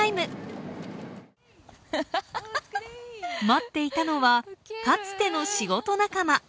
待っていたのはかつての仕事仲間。